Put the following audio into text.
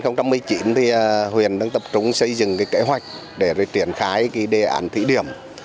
năm hai nghìn một mươi chín thì huyện đang tập trung xây dựng kế hoạch để triển khai đề án thí điểm